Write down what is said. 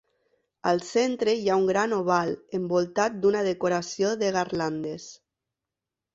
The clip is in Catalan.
Al centre hi ha un gran oval envoltat d'una decoració de garlandes.